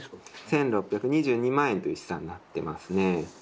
１６２２万円という試算になっていますね。